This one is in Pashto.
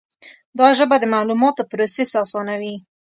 دا ژبه د معلوماتو پروسس آسانوي.